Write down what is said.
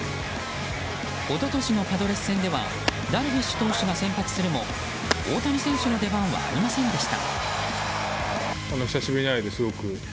一昨年のパドレス戦ではダルビッシュ投手が先発するも大谷選手の出番はありませんでした。